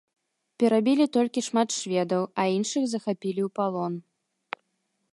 Перабілі толькі шмат шведаў, а іншых захапілі ў палон.